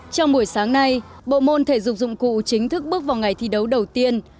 trong buổi sáng nay bộ môn thể dục dụng cụ chính thức bước vào ngày thi đấu đầu tiên